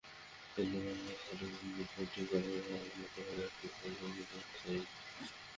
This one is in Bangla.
কিন্তু ঘটনাস্থলে কোনো বিলবোর্ড ঠিক করার আলামত পাওয়া যায়নি বলে জানিয়েছেন এসআই জাহাঙ্গীর।